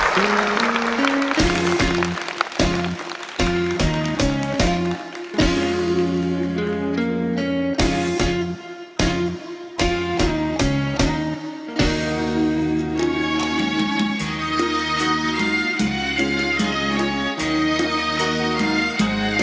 เพลง